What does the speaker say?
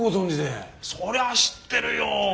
そりゃ知ってるよ！